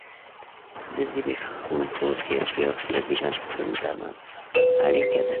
د زبېښونکو سیاسي او اقتصادي بنسټونو ترمنځ اړیکه ده.